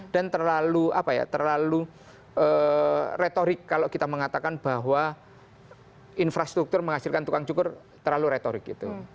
dan terlalu apa ya terlalu retorik kalau kita mengatakan bahwa infrastruktur menghasilkan tukang cukur terlalu retorik gitu